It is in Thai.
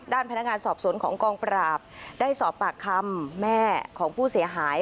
ด้านพนักงานสอบสวนของกองปราบได้สอบปากคำแม่ของผู้เสียหาย